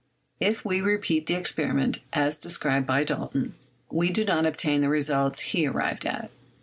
If we repeat the experiment, as described by Dalton, we do not obtain the results he arrived at.